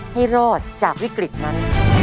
ให้รอดจากวิกฤตนั้น